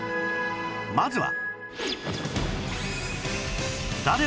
まずは